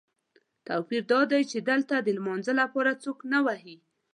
توپیر دادی چې دلته د لمانځه لپاره څوک نه وهي.